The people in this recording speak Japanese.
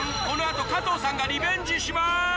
このあと加藤さんがリベンジします